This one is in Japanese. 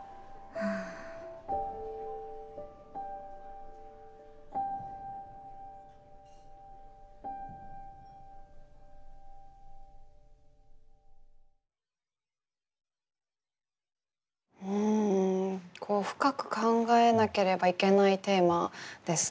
ふん深く考えなければいけないテーマですね。